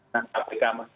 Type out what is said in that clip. nah aplikasi panet itu